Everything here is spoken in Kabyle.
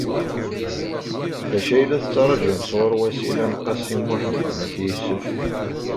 D acu ay la tettṛajum sɣur Wasila n Qasi Mḥemmed n At Yusef?